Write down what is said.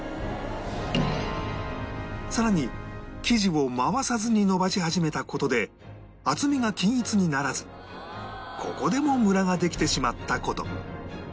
さらに生地を回さずにのばし始めた事で厚みが均一にならずここでもムラができてしまった事